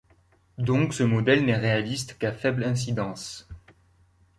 Donc ce modèle n'est réaliste qu'à faible incidence.